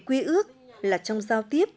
quy ước là trong giao tiếp